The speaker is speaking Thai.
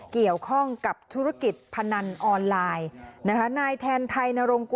เกี่ยวข้องกับธุรกิจพนันออนไลน์นะคะนายแทนไทยนรงกุ